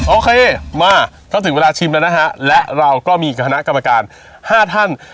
โอเคมาถ้าถึงเวลาชิมแล้วนะฮะและเราก็มีคณะกรรมการ๕ท่าน